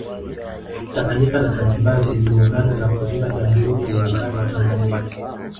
Tanganyika na Zanzibar ziliungana na kuunda Jamhuri ya Muungano wa Tanzania